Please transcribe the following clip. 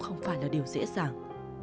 không phải là điều dễ dàng